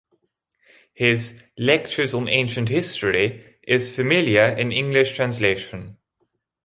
His "Lectures on Ancient History" is familiar in English translation.